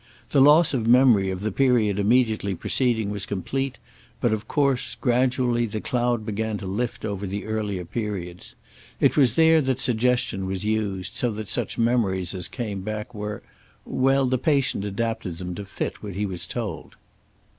The loss of memory of the period immediately preceding was complete, but of course, gradually, the cloud began to lift over the earlier periods. It was there that suggestion was used, so that such memories as came back were, well, the patient adapted them to fit what he was told."